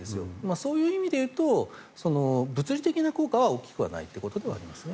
そういう意味で言うと物理的な効果は大きくないということではありますね。